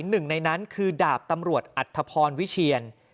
หนึ่งในนั้นคือดาบตำรวจอัธพรวิเชียน